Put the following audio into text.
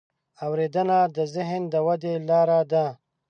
اورېدنه د ذهن د ودې لاره ده.